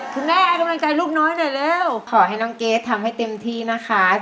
ให้กำลังใจลูกน้อยหน่อยเร็วขอให้น้องเกดทำให้เต็มที่นะคะ